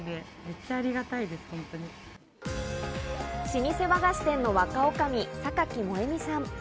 老舗和菓子店の若女将・榊萌美さん。